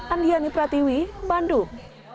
andiani pratiwi bandung